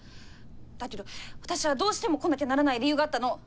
だけど私はどうしても来なきゃならない理由があったの。